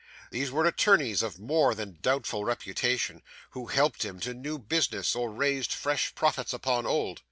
These were attorneys of more than doubtful reputation, who helped him to new business, or raised fresh profits upon old.